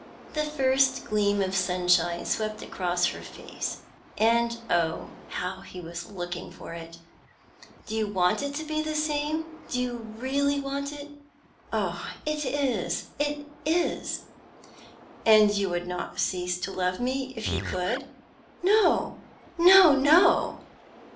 The first gleam of sunshine swept across her face (and oh, how he was looking for it!). "Do you want it to be the same do you really want it? Oh, it is, it is!" "And you would not cease to love me if you could?" "No, no, no!"